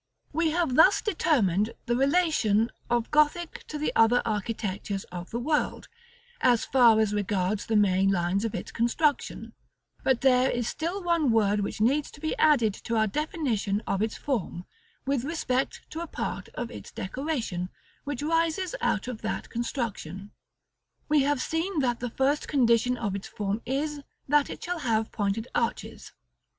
§ XCIII. We have thus determined the relation of Gothic to the other architectures of the world, as far as regards the main lines of its construction; but there is still one word which needs to be added to our definition of its form, with respect to a part of its decoration, which rises out of that construction. We have seen that the first condition of its form is, that it shall have pointed arches.